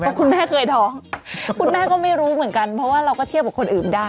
เพราะคุณแม่เคยท้องเขาไม่รู้เพราะว่าเราก็เทียบกับคนอื่นได้